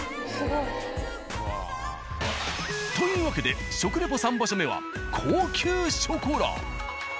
うわぁ。というわけで食レポ三場所目は高級ショコラ。